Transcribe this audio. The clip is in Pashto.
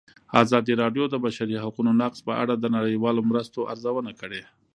ازادي راډیو د د بشري حقونو نقض په اړه د نړیوالو مرستو ارزونه کړې.